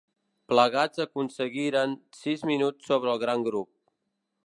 Plegats aconseguiren sis minuts sobre el gran grup.